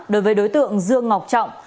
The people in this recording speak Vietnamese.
đối với đối tượng dương ngọc trọng